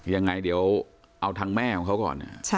ยังไงเดี๋ยวเอาทางแม่ของเขาก่อน